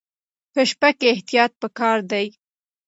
په شپه کې احتیاط پکار دی.